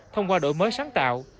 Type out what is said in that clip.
thông qua đổi mới sáng tạo